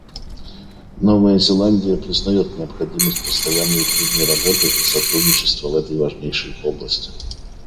Новая Зеландия признает необходимость постоянной и трудной работы и сотрудничества в этой важнейшей области.